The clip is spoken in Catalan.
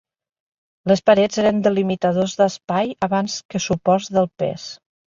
Les parets eren delimitadors d'espai abans que suports del pes.